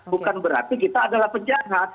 bukan berarti kita adalah penjahat